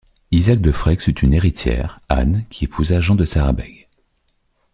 Isaac de Freixe eut une héritière, Anne, qui épousa Jean de Sarrabeig.